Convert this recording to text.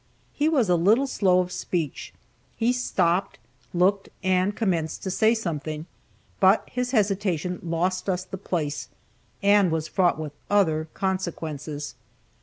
He was a little slow of speech; he stopped, looked and commenced to say something, but his hesitation lost us the place, and was fraught with other consequences.